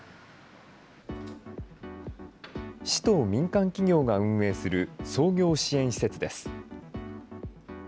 市と民間企業が運営する創業支援施設です。